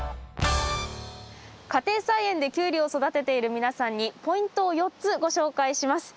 家庭菜園でキュウリを育てている皆さんにポイントを４つご紹介します。